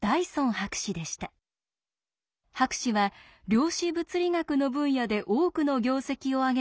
博士は量子物理学の分野で多くの業績をあげていた大御所でした。